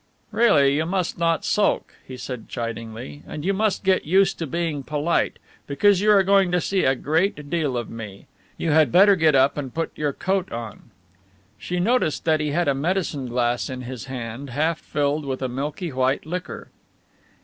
"Really, you must not sulk," he said chidingly, "and you must get used to being polite because you are going to see a great deal of me. You had better get up and put your coat on." She noticed that he had a medicine glass in his hand, half filled with a milky white liquor.